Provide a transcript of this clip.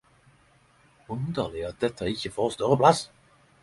Underleg at ikkje dette får større plass.